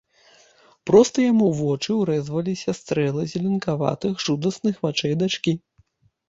Проста яму ў вочы ўрэзваліся стрэлы зеленкаватых жудасных вачэй дачкі.